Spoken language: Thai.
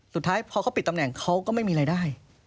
สุดท้ายพอเขาปิดตำแหน่งเขาก็ไม่มีรายได้